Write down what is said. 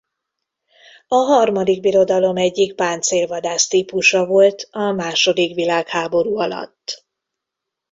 A Harmadik Birodalom egyik páncélvadász típusa volt a második világháború alatt.